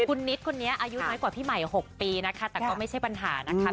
คุณนิดคนนี้อายุน้อยกว่าพี่ใหม่๖ปีนะคะแต่ก็ไม่ใช่ปัญหานะคะ